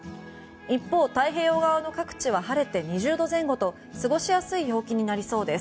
一方、太平洋側の各地は晴れて２０度前後と過ごしやすい陽気となりそうです。